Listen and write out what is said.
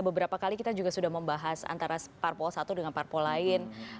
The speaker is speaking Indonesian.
beberapa kali kita juga sudah membahas antara parpol satu dengan parpol lain